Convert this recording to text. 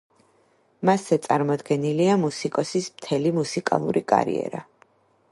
მასზე წარმოდგენილია მუსიკოსის მთელი მუსიკალური კარიერა.